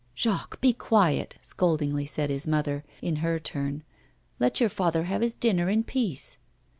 'Jacques, be quiet,' scoldingly said his mother, in her turn. 'Let your father have his dinner in peace.